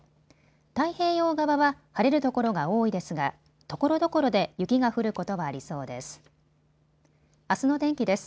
太平洋側は晴れる所が多いですがところどころで雪が降ることはありそうです。